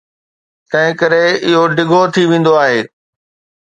تنهنڪري اهو ڊگهو ٿي ويندو آهي.